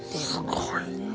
すごい。